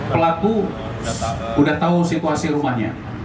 pelaku sudah tahu situasi rumahnya